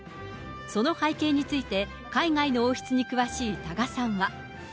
その背景について、海外の王室に詳しい多賀さんは。